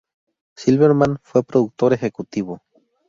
Silverman fue productor ejecutivo.